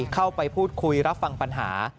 เข้าไปพูดคุยรับฟังปัญหา